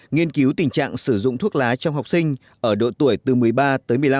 nghiên cứu tình trạng sử dụng thuốc lá trong học sinh ở độ tuổi từ một mươi ba tới một mươi năm